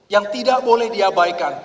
yang tidak boleh diabaikan